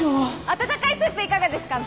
温かいスープいかがですか？